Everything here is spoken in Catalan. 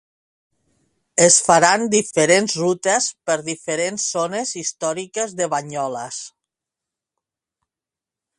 Es faran diferents rutes per diferents zones històriques de Banyoles.